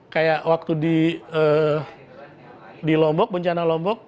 kayak waktu di lombok bencana lombok